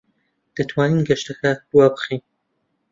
دەتوانین گەشتەکە دوابخەین؟